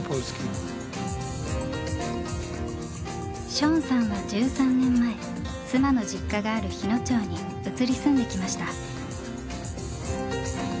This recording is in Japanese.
ショーンさんは１３年前妻の実家がある日野町に移り住んできました。